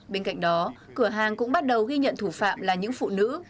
bên cạnh đó cửa hàng cũng bắt đầu ghi nhận thủ phạm là những phụ nữ